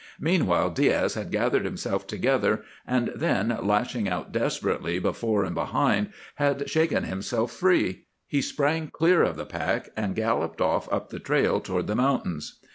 Meanwhile Diaz had gathered himself together, and then, lashing out desperately before and behind, had shaken himself free. He sprang clear of the pack, and galloped off up the trail toward the mountains.